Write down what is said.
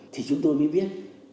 thì chúng tôi mới biết